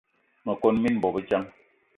Me kon mina bobedjan.